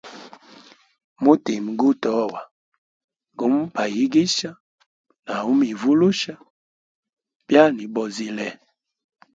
Mutima gutoa gumubayigisha na umivulusha byanimibozile.